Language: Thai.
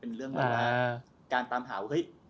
เป็นเรื่องเวลาการตามหาว่า